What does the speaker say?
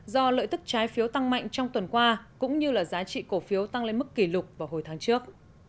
do lợi thức trái phiếu tăng mạnh trong tuần qua cũng như là giá trị cổ phiếu tăng lên mức kỷ lục vào hồi tháng trước